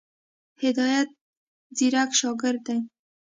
هدایت ځيرک شاګرد دی.